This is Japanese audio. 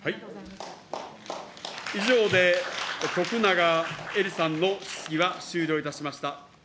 以上で徳永エリさんの質疑は終了いたしました。